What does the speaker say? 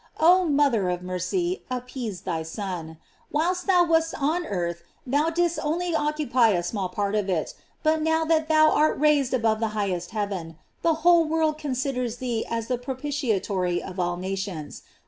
Oh mother of mercy, appease thy Son. Whilst thou wast on earth thou didst only occupy a small part of it; but now that thou art raised above the highest heaven, the whole world con siders thee as the propitiatory of all nations.